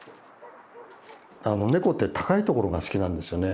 ネコって高い所が好きなんですよね。